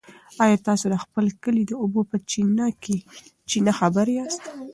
ایا تاسي د خپل کلي د اوبو په چینه خبر یاست؟